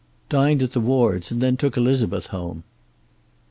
"Dined at the Wards', and then took Elizabeth home."